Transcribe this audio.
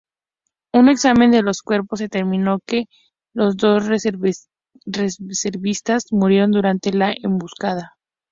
Un examen de los cuerpos determinó que los dos reservistas murieron durante la emboscada.